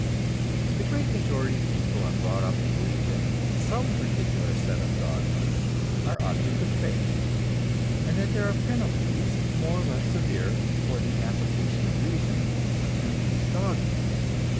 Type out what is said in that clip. The great majority of people are brought up to believe that some particular set of dogmas are objects of faith, and that there are penalties more or less severe for the application of reason to these dogmas.